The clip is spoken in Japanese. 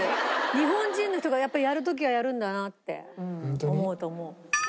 日本人の人がやっぱりやる時はやるんだなって思うと思う。